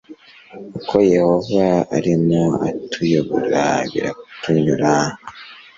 uko yehova arimo atuyobora biratunyura